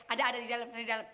ada ada di dalam di dalam